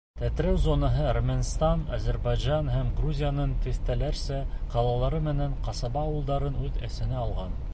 Тетрәү зонаһы Әрмәнстан, Азербайжан һәм Грузияның тиҫтәләрсә ҡалалары менән ҡасаба-ауылдарын үҙ эсенә алған.